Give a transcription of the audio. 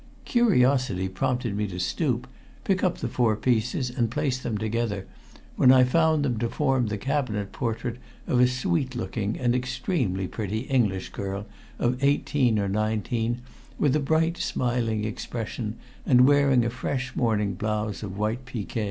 Curiosity prompted me to stoop, pick up the four pieces and place them together, when I found them to form the cabinet portrait of a sweet looking and extremely pretty English girl of eighteen or nineteen, with a bright, smiling expression, and wearing a fresh morning blouse of white piqué.